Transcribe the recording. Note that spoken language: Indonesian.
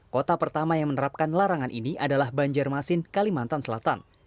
kota pertama yang menerapkan larangan ini adalah banjarmasin kalimantan selatan